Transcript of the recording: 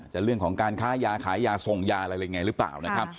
เรื่องของการค้ายาขายยาส่งยาอะไรยังไงหรือเปล่านะครับ